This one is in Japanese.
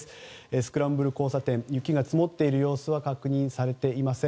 スクランブル交差点雪が積もっている様子は確認されていません。